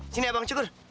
sini abang cukur